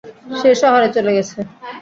সে শহরে চলে গেছে।